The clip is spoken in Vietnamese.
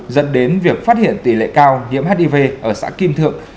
dẫn đến việc phát hiện tỷ lệ cao nhiễm hiv ở xã kim thượng